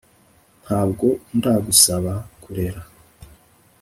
Ntabwo ndagusaba kurera